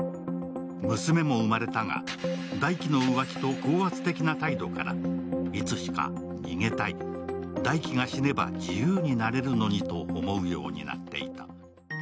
娘も生まれたが、大樹の浮気と高圧的な態度からいつしか逃げたい、大樹が死ねば自由になれるのにと思うようになっていた。